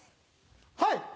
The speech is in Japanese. はい！